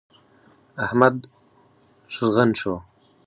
احمد ږغن شو.